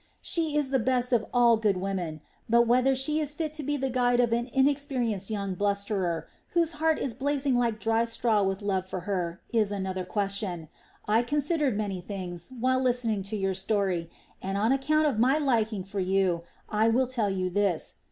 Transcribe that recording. she is the best of all good women; but whether she is fit to be the guide of an inexperienced young blusterer, whose heart is blazing like dry straw with love for her, is another question. I considered many things, while listening to your story, and on account of my liking for you I will tell you this.